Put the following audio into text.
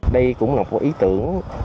đây cũng là một ý tưởng